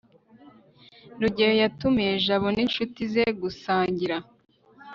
rugeyo yatumiye jabo n'inshuti ze gusangira